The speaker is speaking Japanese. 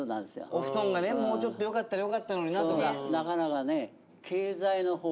「お布団がもうちょっとよかったらよかったのにな」とか。